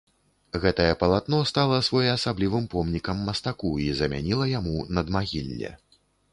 Гэтае палатно стала своеасаблівым помнікам мастаку і замяніла яму надмагілле.